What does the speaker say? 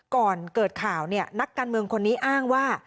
ก่อนเกิดข่าวเนี่ยนักการเมืองคนนี้อ้างว่า